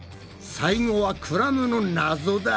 最後はクラムのナゾだ。